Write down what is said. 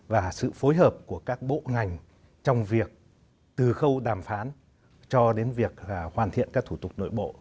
và sự phối hợp của các bộ ngành trong việc từ khâu đàm phán cho đến việc hoàn thiện các thủ tục nội bộ